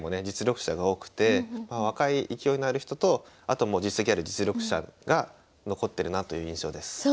実力者が多くて若い勢いのある人とあともう実績ある実力者が残ってるなという印象です。